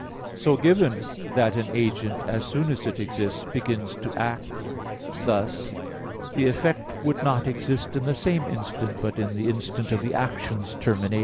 So, given that an agent, as soon as it exists, begins to act thus, the effect would not exist in the same instant, but in the instant of the action's termination.